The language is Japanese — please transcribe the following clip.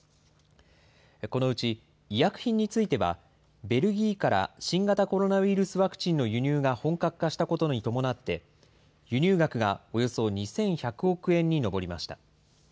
このうち医薬品については、ベルギーから新型コロナウイルスワクチンの輸入が本格化したことに伴って、輸入額がおよそ２１００億円に上りました。